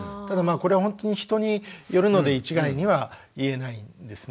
これはほんとに人によるので一概には言えないんですね。